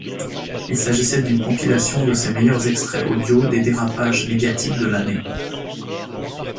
Il s'agissait d'une compilation de ses meilleurs extraits audio des dérapages médiatiques de l'année.